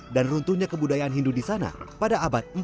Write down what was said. dan runtuhnya kebudayaan hindu di sana pada abad empat belas